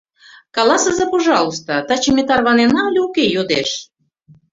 — Каласыза, пожалуйста, таче ме тарванена але уке? — йодеш.